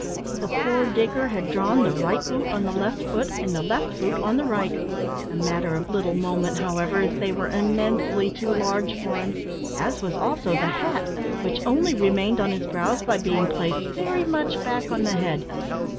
The poor digger had drawn the right boot on the left foot, and the left boot on the right a matter of little moment, however, as they were immensely too large for him, as was also the hat, which only remained on his brows by being placed very much back on the head.